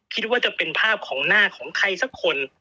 คิดว่าจะเป็นภาพของหน้าของใครสักคน